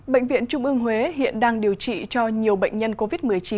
bệnh viện trung ương huế hiện đang điều trị cho nhiều bệnh nhân covid một mươi chín